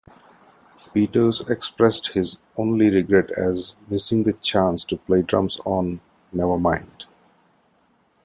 Peters expressed his only regret as missing the chance to play drums on "Nevermind".